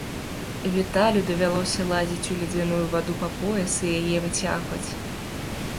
Віталю давялося залазіць у ледзяную ваду па пояс і яе выцягваць.